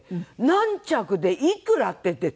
「何着でいくら」って出て。